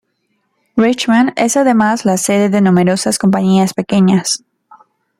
Richmond es además la sede de numerosas compañías pequeñas.